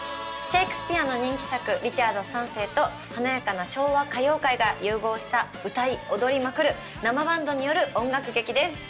シェークスピアの人気作『リチャード三世』と華やかな昭和歌謡界が融合した歌い踊りまくる生バンドによる音楽劇です。